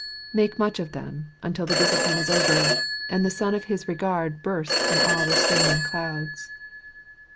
Make much of them until the disci pline is over, and the sun of his regard bursts from all restraining clouds.